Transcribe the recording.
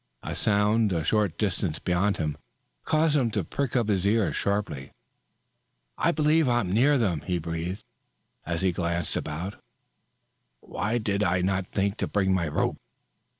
A sound a short distance beyond him caused him to prick up his ears sharply. "I believe I am near them," he breathed, as he glanced about him. "Why did I not think to bring my rope?"